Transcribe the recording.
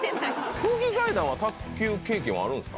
空気階段は卓球経験はあるんですか？